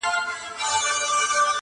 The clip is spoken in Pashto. نه یې له تیارې نه له رڼا سره.!